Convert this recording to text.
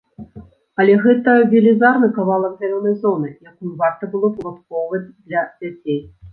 Але гэта велізарны кавалак зялёнай зоны, якую варта было б уладкоўваць для дзяцей.